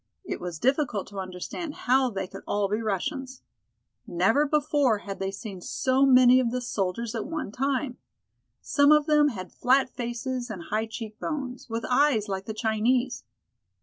It was difficult to understand how they could all be Russians. Never before had they seen so many of the soldiers at one time. Some of them had flat faces and high cheek bones, with eyes like the Chinese.